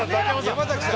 山崎さん！